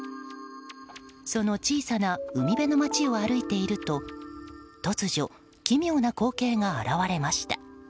その小さな海辺の町を歩いていると突如、奇妙な光景が現れました。